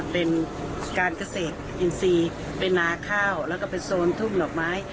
เป็นการเกษตรอินทรีย์เป็นนาข้าวแล้วก็เป็นโซนทุ่งดอกไม้